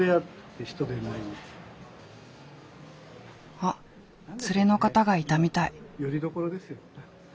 あっ連れの方がいたみたい。